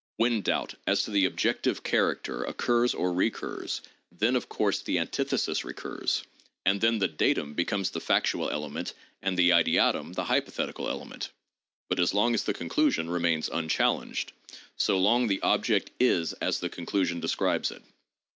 When doubt as to the objective character occurs or recurs, then, of course, the antithesis recurs; and then the datum becomes the factual ele ment and the ideatum, the hypothetical element. But as long as the conclusion remains unchallenged, so long the object is as the conclu sion describes it.